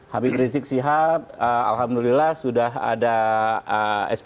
habib rizieq sihan alhamdulillah sudah ada sp tiga